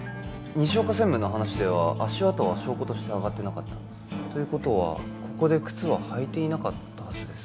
西岡専務の話では足跡は証拠としてあがってなかったということはここで靴は履いていなかったはずです